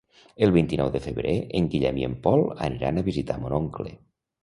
El vint-i-nou de febrer en Guillem i en Pol aniran a visitar mon oncle.